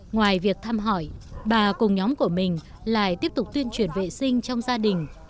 ngoài việc thăm hỏi bà cùng nhóm của mình lại tiếp tục tuyên truyền vệ sinh trong gia đình